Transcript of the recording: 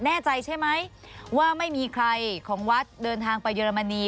แน่ใจใช่ไหมว่าไม่มีใครของวัดเดินทางไปเยอรมนี